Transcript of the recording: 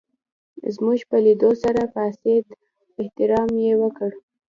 زموږ په لېدو سره پاڅېد احترام یې وکړ.